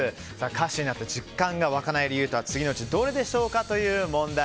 歌手になった実感が湧かない理由とは次のうちどれでしょうか？という問題。